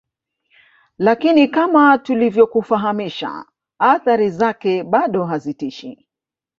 Lakini kama tulivyokufahamisha athari zake bado hazitishi